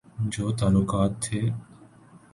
جو تعلقات تھے۔